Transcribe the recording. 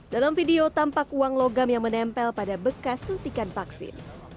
dalam video tampak uang logam yang menempel pada bekas suntikan vaksin